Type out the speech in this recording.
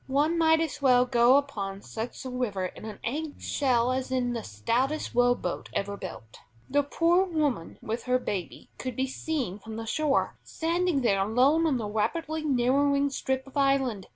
One might as well go upon such a river in an egg shell as in the stoutest row boat ever built. The poor woman with her babe could be seen from the shore, standing there alone on the rapidly narrowing strip of island.